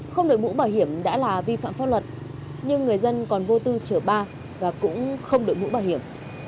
không đổi mũ bảo hiểm đã là vi phạm pháp luật nhưng người dân còn vô tư chở ba và cũng không đội mũ bảo hiểm